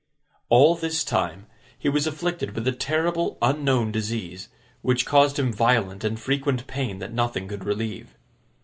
All this time, he was afflicted with a terrible unknown disease, which caused him violent and frequent pain that nothing could relieve.